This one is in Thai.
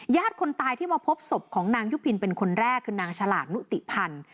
คนตายที่มาพบศพของนางยุพินเป็นคนแรกคือนางฉลากนุติพันธ์